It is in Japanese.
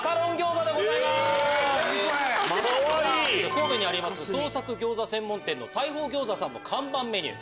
神戸にある創作餃子専門店の大鳳餃子さんの看板メニュー。